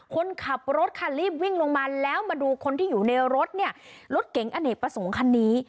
คนขับรถค่ะรีบวิ่งลงมาแล้วมาดูคนที่อยู่ในรถเนี่ยรถเก๋งอเนกประสงค์คันนี้